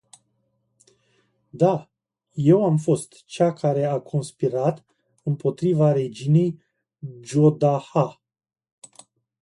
Da, eu am fost cea care a conspirat impotriva reginei Jodha!